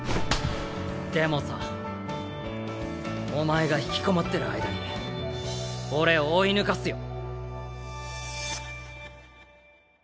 でもさお前が引きこもってる間に俺追い抜かすよ。